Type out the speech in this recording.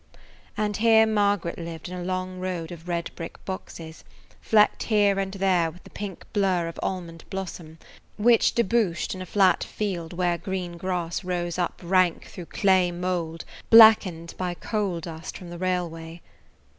And here Margaret lived in a long road of red brick boxes, flecked here and there with the pink blur of almond blossom, which debouched in a flat field where green grass rose up rank through clay mold blackened by coal dust from the railway.